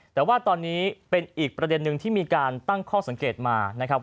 แต่ว่าตอนนี้เป็นอีกประเด็นนึงที่มีการตั้งข้อสังเกตมานะครับ